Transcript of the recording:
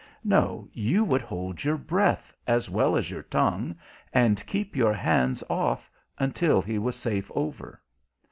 No, you would hold your breath as well as your tongue, and keep your hands off until he was safe over.